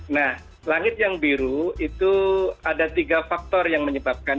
nah langit yang biru itu ada tiga faktor yang menyebabkan